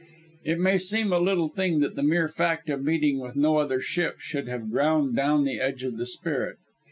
It may seem a little thing that the mere fact of meeting with no other ship should have ground down the edge of the spirit.